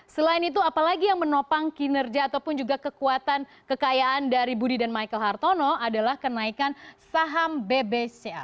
selain itu apalagi yang menopang kinerja ataupun juga kekuatan kekayaan dari budi dan michael hartono adalah kenaikan saham bbca